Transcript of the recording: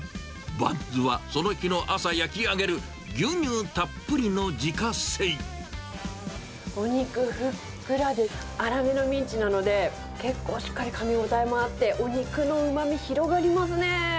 バンズはその日の朝焼き上げる牛お肉ふっくらで、粗めのミンチなので、結構しっかりかみ応えもあって、お肉のうまみ広がりますね。